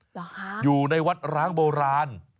เหรอคะอยู่ในวัดร้างโบราณ